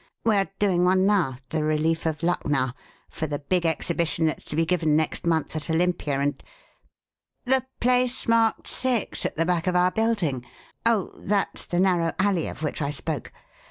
We are doing one now The Relief of Lucknow for the big exhibition that's to be given next month at Olympia and The place marked 6 at the back of our building? Oh, that's the narrow alley of which I spoke.